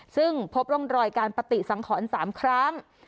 ซึ่งพบร่องรอยการปฏิสังขร๓ครั้ง